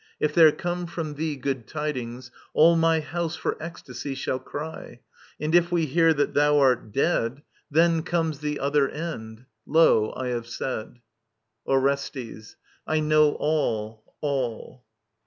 If there come from thee Good tidings, all my house for ecstasy Shall cry ; and if we hear that thou art dead. Then comes the other end !— Lo, I have said. Orestes. I know all, all.